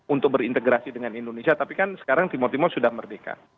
untuk berintegrasi dengan indonesia tapi kan sekarang timur timur sudah merdeka